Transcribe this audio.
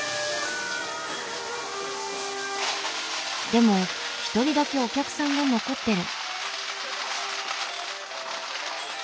でも一人だけお客さんが残ってる。